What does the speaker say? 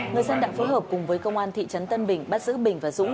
người dân đã phối hợp cùng với công an thị trấn tân bình bắt giữ bình và dũng